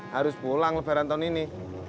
harus pulang lebaran tahun ini